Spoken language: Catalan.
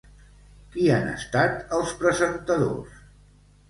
Qui han estat els presentadors?